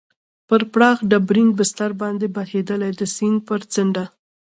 پر پراخ ډبرین بستر باندې بهېدلې، د سیند پر څنډه.